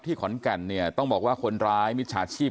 ที่ขอนแก่นนี้ต้องบอกว่าคนร้ายมีฌาติชีพ